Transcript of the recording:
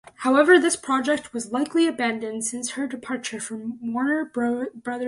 However, this project was likely abandoned since her departure from Warner Brothers Records.